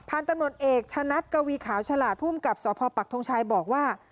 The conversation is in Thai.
พันธนตรวจเอกชะนัดเกวีขาวฉลาดผู้มกับสภาพปักทงชัยบอกว่า